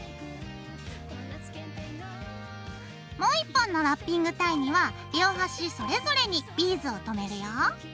もう１本のラッピングタイには両端それぞれにビーズをとめるよ。